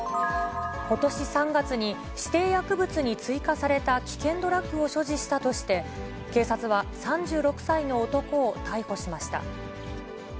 ことし３月に指定薬物に追加された危険ドラッグを所持したとして、警察は３６歳の男を逮捕しました。